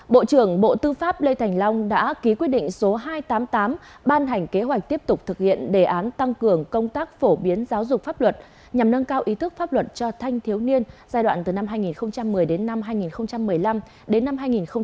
bộ trưởng bộ tư pháp lê thành long đã ký quyết định số hai trăm tám mươi tám ban hành kế hoạch tiếp tục thực hiện đề án tăng cường công tác phổ biến giáo dục pháp luật nhằm nâng cao ý thức pháp luật cho thanh thiếu niên giai đoạn từ năm hai nghìn một mươi đến năm hai nghìn một mươi năm đến năm hai nghìn hai mươi